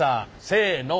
せの。